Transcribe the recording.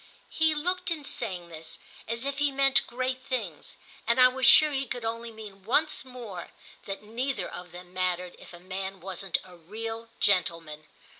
He looked, in saying this, as if he meant great things, and I was sure he could only mean once more that neither of them mattered if a man wasn't a real gentleman.